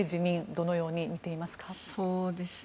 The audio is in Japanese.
どのように見ていますか？